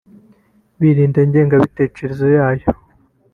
birinda ingengabitekerezo yayo